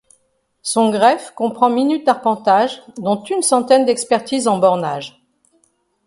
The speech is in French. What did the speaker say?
Son greffe comprend minutes d'arpentage, dont une centaine d'expertises en bornage.